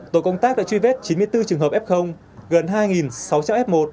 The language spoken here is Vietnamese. tổ công tác đã truy vết chín mươi bốn trường hợp f gần hai sáu trăm linh f một